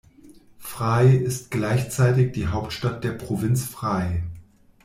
Phrae ist gleichzeitig die Hauptstadt der Provinz Phrae.